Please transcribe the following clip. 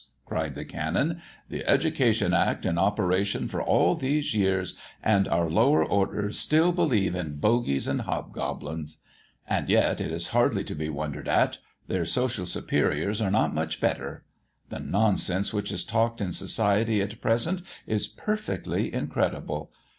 cried the Canon. "The Education Act in operation for all these years, and our lower orders still believe in bogies and hobgoblins! And yet it is hardly to be wondered at; their social superiors are not much wiser. The nonsense which is talked in society at present is perfectly incredible.